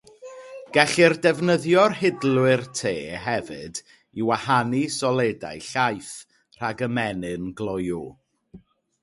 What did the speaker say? Gellir defnyddio hidlwyr te hefyd i wahanu soledau llaeth rhag ymenyn gloyw.